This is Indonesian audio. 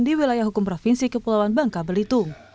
di wilayah hukum provinsi kepulauan bangka belitung